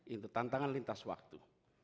itu tantangan lintas waktu